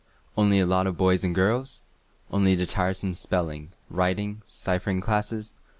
Only a lot of boys and girls? Only the tiresome spelling, writing, ciphering classes?